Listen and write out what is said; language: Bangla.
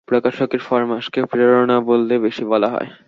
প্রকাশকের ফরমাশকে প্রেরণা বললে বেশি বলা হয়।